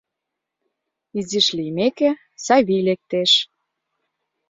Изиш лиймеке, Савий лектеш.